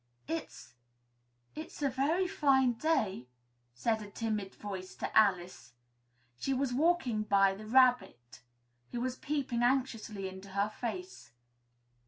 "It's it's a very fine day!" said a timid voice to Alice. She was walking by the White Rabbit, who was peeping anxiously into her face.